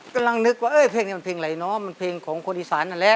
กำลังนึกว่าเอ้ยเพลงนี้มันเพลงอะไรเนาะมันเพลงของคนอีสานนั่นแหละ